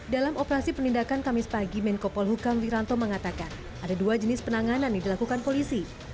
dalam operasi penindakan kamis pagi menko polhukam wiranto mengatakan ada dua jenis penanganan yang dilakukan polisi